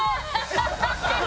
ハハハハ！